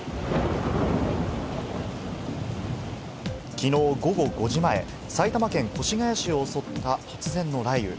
きのう午後５時前、埼玉県越谷市を襲った突然の雷雨。